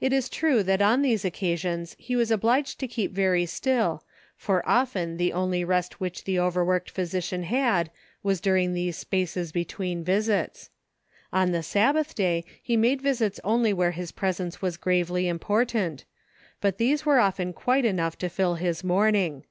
It is true that on these occasions he was obliged to keep very still, for often the only rest which the overworked physician had was during these SEEKING STEPPING STONES. 2O9 spaces between visits. On the Sabbath day he made visits only wliere his presence was gravely important, but these were often quite enough to fill his morning.